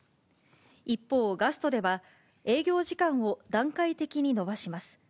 一方、ガストでは、営業時間を段階的に延ばします。